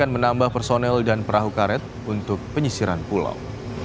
dan menambah personel dan perahu karet untuk penyisiran pulau